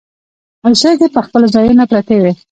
شګې پر خپلو ځايونو پرتې وې.